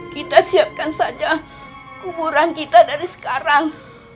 kita siapkan saja kuburan kita dari sekarang